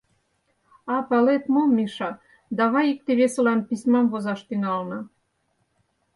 — А палет мо, Миша, давай икте-весылан письмам возаш тӱҥалына.